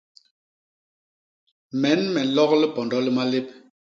Men me nlok lipondo li malép.